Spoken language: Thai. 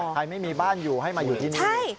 ไม่มีบ้านอยู่ให้มาอยู่ที่นี่